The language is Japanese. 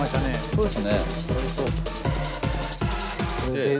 そうですね